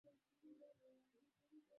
na mimi nilizungumza na rais wa uchina